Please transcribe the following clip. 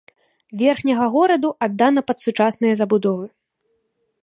Верхняга гораду аддана пад сучасныя забудовы.